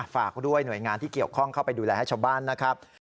ฝากด้วยหน่วยงานที่เกี่ยวข้องเข้าไปดูแลให้ชาวบ้านนะครับ